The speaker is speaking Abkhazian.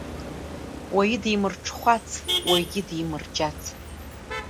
Уаҩы димырҽхәац, уаҩгьы димырџьац.